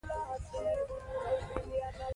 د نېپال ښځو به افسوس کړی وي.